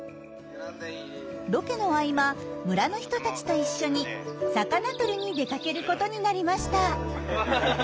ロケの合間村の人たちと一緒に魚取りに出かけることになりました。